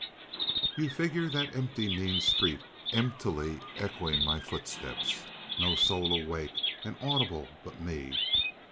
You figure that empty mean street, emptily echoing to my footsteps—no soul awake and audible but me.